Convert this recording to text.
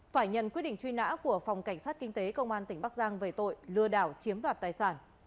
phải nhận quyết định truy nã của phòng cảnh sát kinh tế công an tỉnh bắc giang về tội lừa đảo chiếm đoạt tài sản